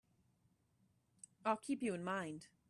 I'll keep you in mind.